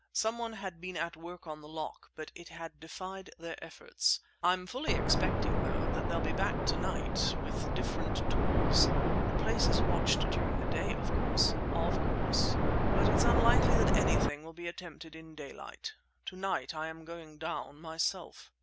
Someone had been at work on the lock, but it had defied their efforts. I'm fully expecting though that they'll be back to night, with different tools!" "The place is watched during the day, of course?" "Of course. But it's unlikely that anything will be attempted in daylight. Tonight I am going down myself."